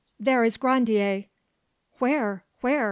there is Grandier! "Where? where?"